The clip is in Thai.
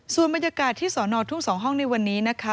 ส่วนบรรยากาศที่สอนอทุ่ง๒ห้องในวันนี้นะคะ